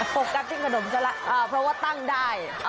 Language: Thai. โฟกัสที่ขนมซะละเพราะว่าตั้งได้